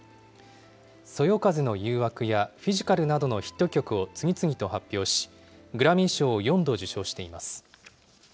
そよ風の誘惑やフィジカルなどのヒット曲を次々と発表し、グラミー賞を４度受賞しています。